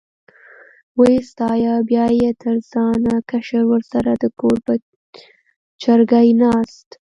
وې ستایه، بیا یې تر ځانه کشر ورسره د کور په چرګۍ ناست.